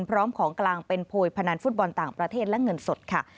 พร้อมของกลางเป็นโพยพนันฟุตบอลต่างประเทศและเงินสดค่ะ